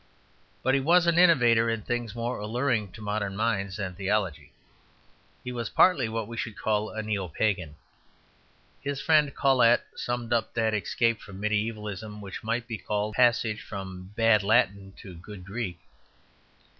But he was an innovator in things more alluring to modern minds than theology; he was partly what we should call a Neo Pagan. His friend Colet summed up that escape from mediævalism which might be called the passage from bad Latin to good Greek.